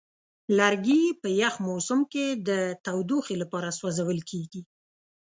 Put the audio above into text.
لرګی په یخ موسم کې د تودوخې لپاره سوځول کېږي.